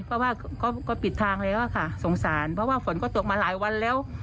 เพราะว่าก็ปิดทางแล้วค่ะสงสารเพราะว่าฝนก็ตกมาหลายวันแล้ว